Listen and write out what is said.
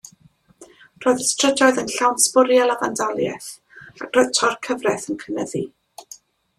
Roedd y strydoedd yn llawn sbwriel a fandaliaeth ac roedd thor-cyfraith yn cynyddu.